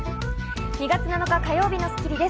２月７日、火曜日の『スッキリ』です。